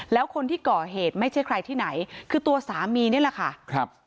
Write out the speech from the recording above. แล้วคนที่ก่อเหตุไม่ใช่ใครที่ไหนคือตัวสามีนี่แหละค่ะครับ